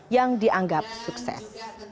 yang dianggap sukses